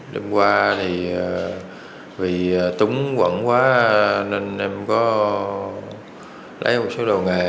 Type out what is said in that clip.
đêm qua thì vì túng quẩn quá nên em có lấy một số đầu nghề